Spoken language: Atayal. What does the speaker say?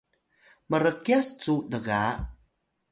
mrkyas cu lga